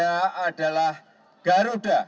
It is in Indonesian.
yang adalah garuda